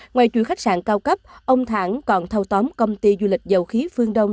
ngoài chuỗi khách sạn cao cấp ông thẳng còn thâu tóm công ty du lịch dầu khí phương đông